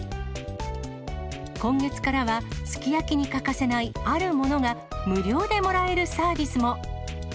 今月からはすき焼きに欠かせないあるものが無料でもらえるサービスも。